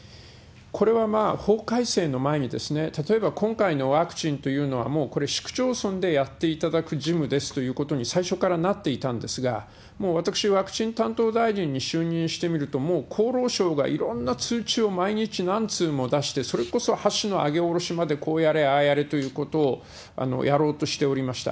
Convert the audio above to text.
これは法改正の前に例えば、今回のワクチンというのは、もうこれ、市区町村でやっていただく事務ですということに最初からなっていたんですが、もう私はワクチン担当大臣に就任してみると、もう厚労省がいろんな通知を毎日何通も出して、それこそ箸の上げ下ろしまでこうやれ、ああやれということをやろうとしておりました。